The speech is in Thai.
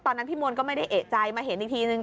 ตอนนั้นพี่มวลก็ไม่ได้เอกใจมาเห็นอีกทีหนึ่ง